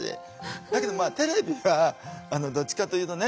だけどテレビはどっちかというとね